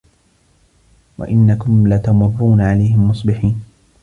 وَإِنَّكُم لَتَمُرّونَ عَلَيهِم مُصبِحينَ